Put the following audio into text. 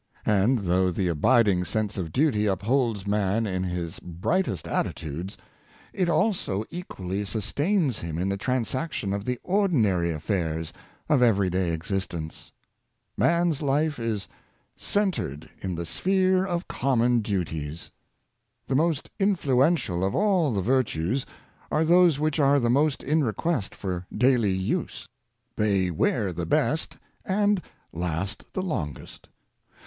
And though the abiding sense of duty upholds man in his highest atti tudes, it also equally sustains him in the transaction of the ordinary affairs of every day existence. Man's life is "centred in the sphere of common duties." The most influential of all the virtues are those which are the most in request for daily use. They wear the best, and last the longest.